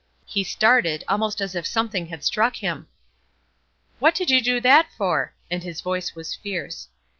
He started, almost as if something had struck him. "What did you do that for?" And his voice was fierce.